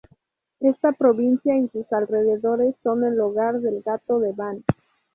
Esta provincia y sus alrededores son el hogar del gato de Van.